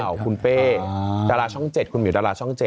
ของคุณเป้ดาราช่อง๗คุณหิวดาราช่อง๗